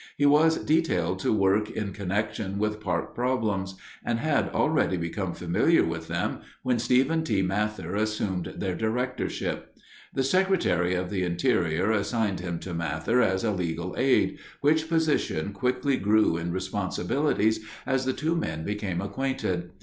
He was detailed to work in connection with park problems and had already become familiar with them when Stephen T. Mather assumed their directorship. The Secretary of the Interior assigned him to Mather as a legal aid, which position quickly grew in responsibilities as the two men became acquainted.